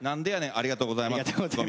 ありがとうございます。